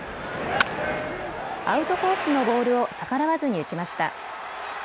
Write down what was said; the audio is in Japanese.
アウトコースのボールを逆らわずに打ちました。